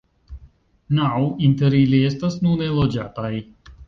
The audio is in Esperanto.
Naŭ inter ili estas nune loĝataj.